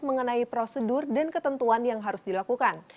mengenai prosedur dan ketentuan yang harus dilakukan